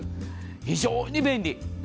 非常に便利。